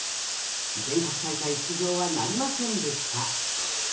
全国大会出場はなりませんでした。